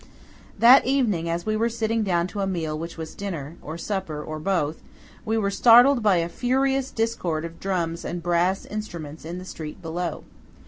That evening, as we were sitting down to a meal which was dinner, or supper, or both, we were startled by a furious discord of drums and brass instruments in the street below.